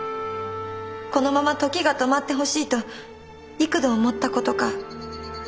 このまま時が止まってほしいと幾度思った事か。